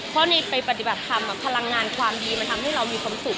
เพราะในไปปฏิบัติธรรมพลังงานความดีมันทำให้เรามีความสุข